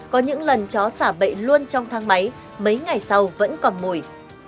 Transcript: có những lần chó xả bậy luôn trong thang máy mấy ngày sau vẫn còn mùi